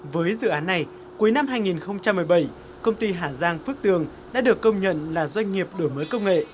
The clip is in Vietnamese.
với dự án này cuối năm hai nghìn một mươi bảy công ty hà giang phước tường đã được công nhận là doanh nghiệp đổi mới công nghệ